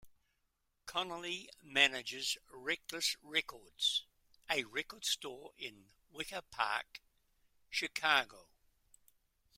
Connelly manages Reckless Records, a record store in Wicker Park, Chicago.